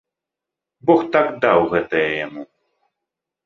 Бог так даў гэтая яму.